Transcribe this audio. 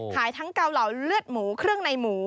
ขายทั้งเกาเหล่าเลือดหมูเครื่องในหมู